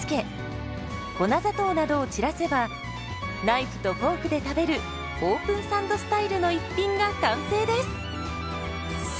ナイフとフォークで食べるオープンサンドスタイルの一品が完成です。